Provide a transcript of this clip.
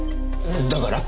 だから？